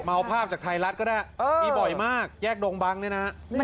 ภาพจากไทยรัฐก็ได้มีบ่อยมากแยกดงบังเนี่ยนะฮะ